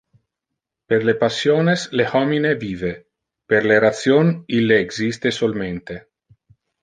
Per le passiones le homine vive; per le ration ille existe solmente.